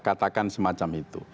katakan semacam itu